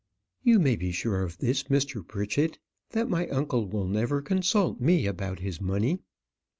"You may be sure of this, Mr. Pritchett, that my uncle will never consult me about his money."